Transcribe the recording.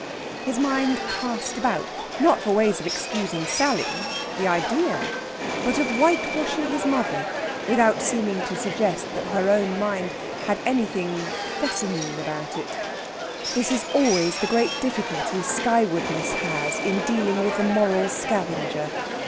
His mind cast about, not for ways of excusing Sally the idea! but of whitewashing his mother, without seeming to suggest that her own mind had anything Fescennine about it. This is always the great difficulty skywardness has in dealing with the moral scavenger.